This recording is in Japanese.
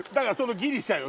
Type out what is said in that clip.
ギリシャよ！